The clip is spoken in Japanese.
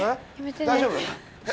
大丈夫？